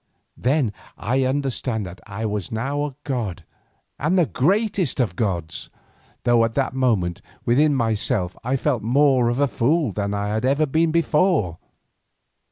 Then I understood that I was now a god and the greatest of gods, though at that moment within myself I felt more of a fool than I had ever been before.